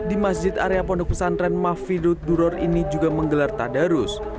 di masjid area pondok pesantren mahfidud duror ini juga menggelar tadarus